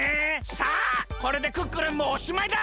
さあこれでクックルンもおしまいだ。